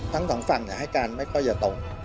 ทั้ง๒ฝั่งให้การไม่ค่อยอย่าตรง